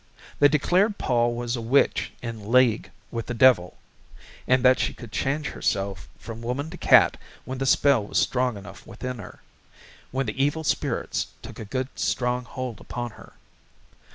They declared Pol was a witch in league with the Devil and that she could change herself from woman to cat when the spell was strong enough within her, when the evil spirits took a good strong hold upon her.